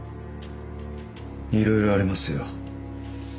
いろいろありますよ。